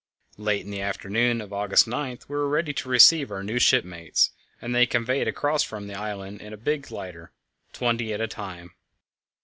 Late in the afternoon of August 9 we were ready to receive our new shipmates, and they were conveyed across from the island in a big lighter, twenty at a time.